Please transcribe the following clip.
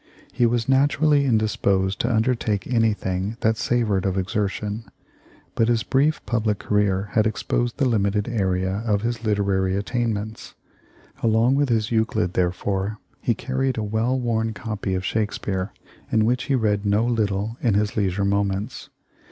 He was naturally indisposed to undertake anything that savored of exertion, but his brief public career had exposed the limited area of his literary attainments. Along with his Euclid therefore he carried a well worn copy of Shakespeare, in which he read no lit tle in his leisure moments.